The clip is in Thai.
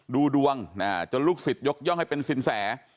ดูดวงจนลูกศิษยกย่องให้เป็นสินแส